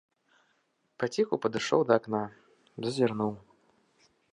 Паціху падышоў да акна, зазірнуў.